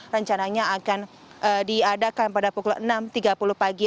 rencananya akan diadakan pada pukul enam tiga puluh pagi